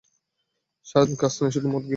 সারাদিন কাজ নাই, শুধু মদ গিলা।